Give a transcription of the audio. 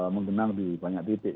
menang di banyak titik